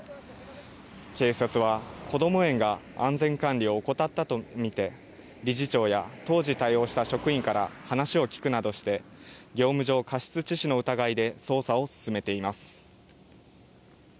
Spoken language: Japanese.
警察は、こども園が安全管理を怠ったと見て理事長や当時対応した職員から話を聴くなどして業務上過失致死の疑いで捜査を進めています。